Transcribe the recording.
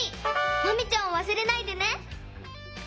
マミちゃんをわすれないでね！